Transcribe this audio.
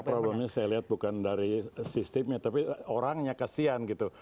problemnya saya lihat bukan dari sistemnya tapi orangnya kasihan gitu